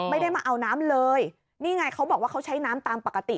ไม่ได้มาเอาน้ำเลยนี่ไงเขาบอกว่าเขาใช้น้ำตามปกติ